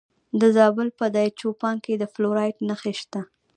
د زابل په دایچوپان کې د فلورایټ نښې شته.